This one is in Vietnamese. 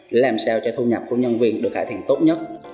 để làm sao cho thu nhập của nhân viên được cải thiện tốt nhất